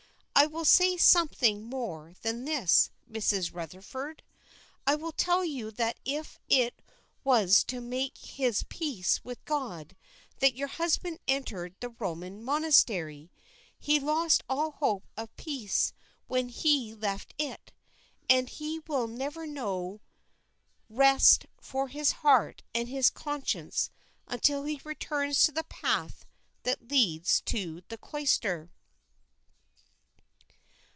I will say something more than this, Mrs. Rutherford, I will tell you that if it was to make his peace with God that your husband entered the Roman monastery, he lost all hope of peace when he left it, and he will never know rest for his heart and his conscience until he returns to the path that leads to the cloister."